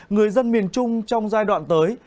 người dân miền trung trong giai đoạn tới